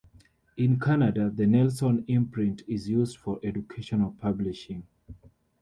In Canada, the Nelson imprint is used for educational publishing.